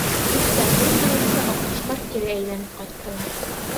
Күп тә тормайынса аҡҡоштар кире әйләнеп ҡайттылар.